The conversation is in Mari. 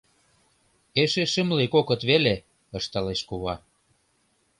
— Эше шымле кокыт веле, — ышталеш кува.